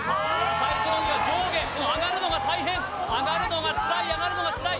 最初の動きは上下上がるのが大変上がるのがつらい上がるのがつらい